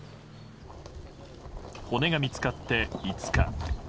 骨が見つかって５日。